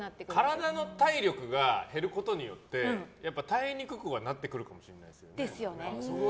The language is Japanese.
体の体力が減ることによって耐えにくくはなってくるかもしれない。